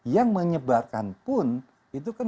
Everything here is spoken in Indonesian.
yang menyebarkan pun itu kan